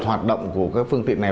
hoạt động của các phương tiện này